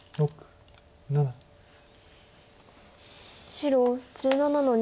白１７の二。